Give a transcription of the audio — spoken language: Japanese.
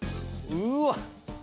うわっ！